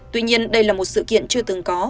tuy nhiên đây là một sự kiện chưa từng có